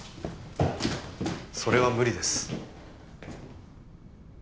それは無理です。